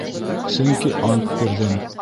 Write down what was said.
Сөнки ант бирҙем.